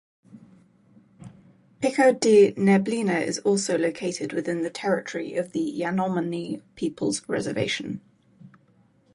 Pico da Neblina is also located within the territory of the Yanomami people's reservation.